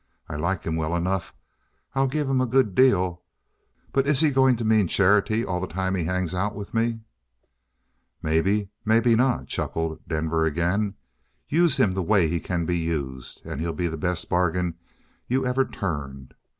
I like him well enough; I'll give him a good deal; but is he going to mean charity all the time he hangs out with me?" "Maybe; maybe not," chuckled Denver again. "Use him the way he can be used, and he'll be the best bargain you ever turned.